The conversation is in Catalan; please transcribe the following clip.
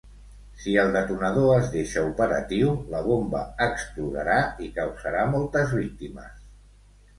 Si el detonador es deixa operatiu, la bomba explotarà i causarà moltes víctimes.